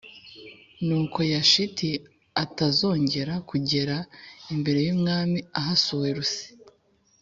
yuko Vashiti atazongera kugera imbere y’Umwami Ahasuwerusi